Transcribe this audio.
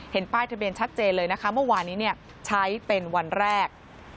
ป้ายทะเบียนชัดเจนเลยนะคะเมื่อวานนี้ใช้เป็นวันแรก